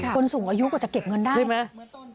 คนสูงอายุกว่าจะเก็บเงินได้ใช่ไหม